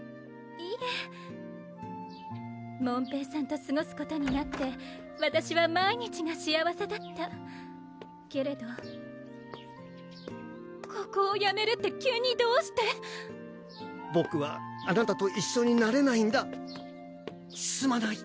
いえ門平さんとすごすことになってわたしは毎日が幸せだったけれどここをやめるって急にどうしボクはあなたと一緒になれないんだすまない！